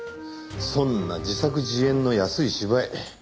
そんな自作自演の安い芝居。